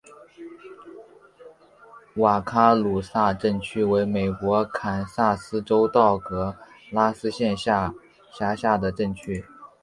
瓦卡鲁萨镇区为美国堪萨斯州道格拉斯县辖下的镇区。